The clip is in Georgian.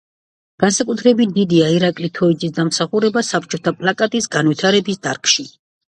განსაკუთრებით დიდია ირაკლი თოიძის დამსახურება საბჭოთა პლაკატის განვითარების დარგში.